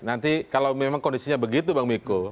nanti kalau memang kondisinya begitu bang miko